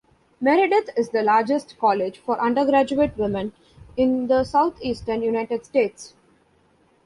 Meredith is the largest college for undergraduate women in the southeastern United States.